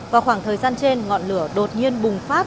vào khoảng thời gian trên ngọn lửa đột nhiên bùng phát